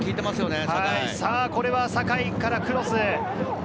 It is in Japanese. これは酒井からクロス。